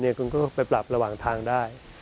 คุณก็ไปปรับระหว่างทางได้